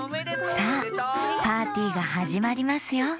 さあパーティーがはじまりますよ